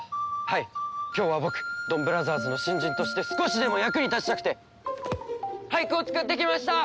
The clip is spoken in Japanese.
はい今日は僕ドンブラザーズの新人として少しでも役に立ちたくて俳句を作ってきました！